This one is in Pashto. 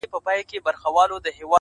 دومره پوه سوه چي مېږیان سره جنګېږي؛